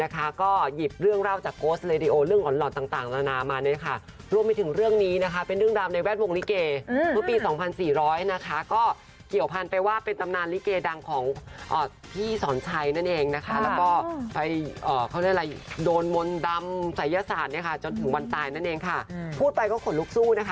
ตายนั่นเองค่ะพูดไปก็ขนลุกสู้นะคะ